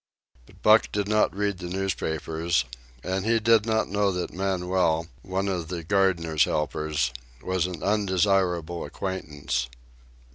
But Buck did not read the newspapers, and he did not know that Manuel, one of the gardener's helpers, was an undesirable acquaintance.